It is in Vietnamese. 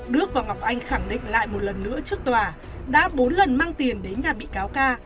đức và ngọc anh khẳng định lại một lần nữa trước tòa đã bốn lần mang tiền đến nhà bị cáo ca